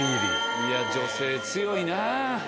いや女性強いなぁ。